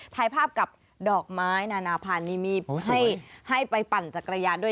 ถ่ายภาพกับดอกไม้นานาพันธ์นี่มีให้ไปปั่นจักรยานด้วย